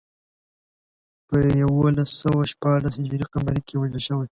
په یولس سوه شپاړس هجري قمري کې وژل شوی.